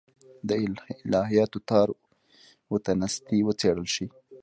د الهیاتو تار و تنستې وڅېړل شي.